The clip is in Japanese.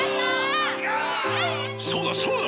そうだそうだ！